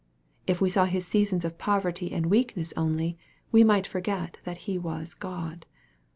If we saw His seasons of poverty and weakness only, we might forget that He was God.